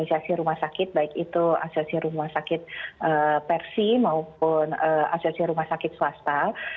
asosiasi rumah sakit baik itu asosiasi rumah sakit persi maupun asosiasi rumah sakit swasta